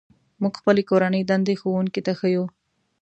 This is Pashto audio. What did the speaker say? موږ خپلې کورنۍ دندې ښوونکي ته ښيو.